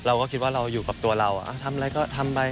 เราก็คิดว่าเราอยู่กับตัวเราทำอะไรก็ทำไป